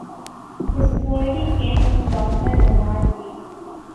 His authority came from Governor Ronald Reagan.